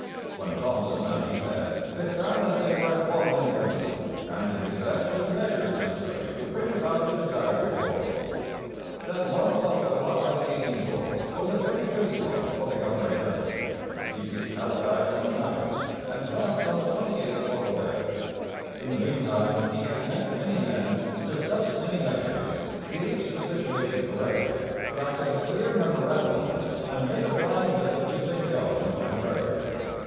When Thomson and he met, they found that they were at one in principle and in respect to the measures necessary to bring about the desired reforms. That month of July 1840 was a very busy one for the governor general. He reached Halifax on the ninth and left on the twenty eighth for Quebec. In the meantime he had met many men, discussed many measures, gauged the situation correctly, drafted a clear memorandum of it, and made a flying visit to St John and Fredericton.